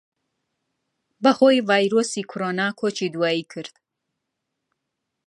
بەھۆی ڤایرۆسی کۆرۆنا کۆچی دواییی کرد